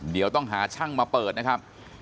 เดี๋ยวต้องหาช่างมาเปิดนะครับ